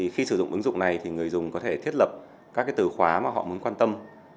khi sử dụng ứng dụng này thì người dùng có thể thiết lập các từ khóa mà họ muốn quan tâm